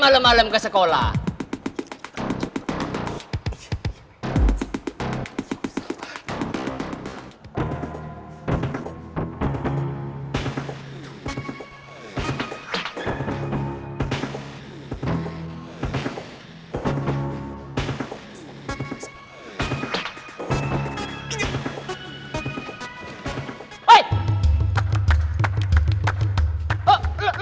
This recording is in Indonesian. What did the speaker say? kalau udah kenapa kita patreon ini